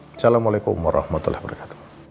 assalamualaikum warahmatullahi wabarakatuh